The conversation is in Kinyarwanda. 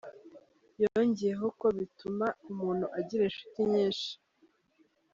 Yongeyeho ko bituma umuntu agira inshuti nyinshi.